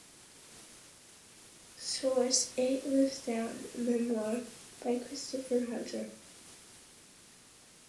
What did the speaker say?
Source: "Eight Lives Down", memoir by Christopher Hunter.